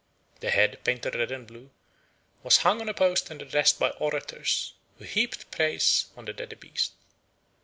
The head, painted red and blue, was hung on a post and addressed by orators, who heaped praise on the dead beast.